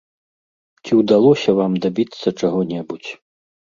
Ці ўдалося вам дабіцца чаго-небудзь?